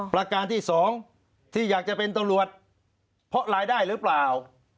ประการที่๒ที่อยากจะเป็นตำรวจเพราะรายได้หรือเปล่า